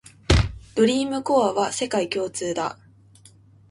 ドリームコアは世界共通だ